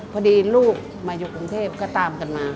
พอดีลูกมาอยู่กรุงเทพก็ตามกันมา